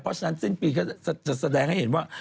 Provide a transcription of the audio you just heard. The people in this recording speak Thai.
เพราะฉะนั้นสิ้นปีก็จะแสดงให้เห็นว่า